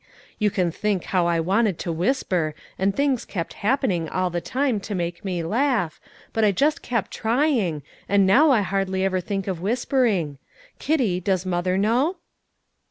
You can think how I wanted to whisper, and things kept happening all the time to make me laugh, but I just kept trying, and now I hardly ever think of whispering. Kitty, does mother know?"